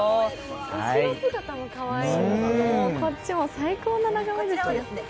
後ろ姿もかわいい、こっちも最高の眺めですね。